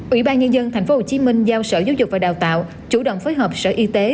ủy ban nhân dân tp hcm giao sở giáo dục và đào tạo chủ động phối hợp sở y tế